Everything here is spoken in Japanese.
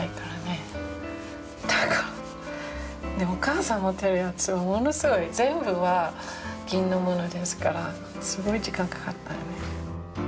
でもお母さんが持ってるやつは全部銀のものですからすごい時間かかるからね。